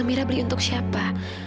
amira beli untuk siapa